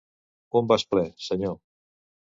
Un vas ple, senyor.